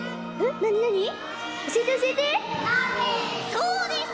そうです。